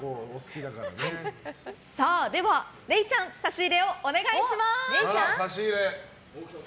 では、れいちゃん差し入れをお願いします！